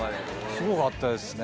すごかったですね。